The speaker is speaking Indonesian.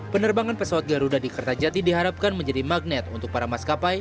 penerbangan pesawat garuda di kertajati diharapkan menjadi magnet untuk para maskapai